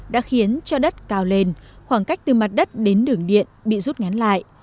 đã khiến cho đất cao lên khoảng cách từ mặt đất đến đường điện bị rút ngắn lại